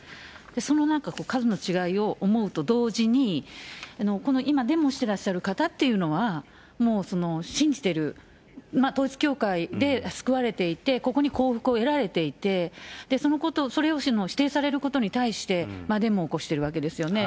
その数の違いを思うと同時に、この今、でもしてらっしゃる方というのは、もうその信じてる、統一教会で救われていて、ここに幸福を得られていて、そのことを、それを否定されることに対して、デモを起こしているわけですよね。